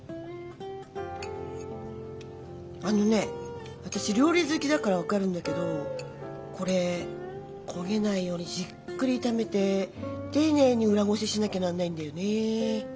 あのね私料理好きだから分かるんだけどこれ焦げないようにじっくり炒めて丁寧に裏ごししなきゃなんないんだよね。